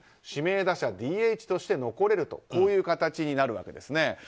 指名打者ＤＨとして残れるという形になるわけですね。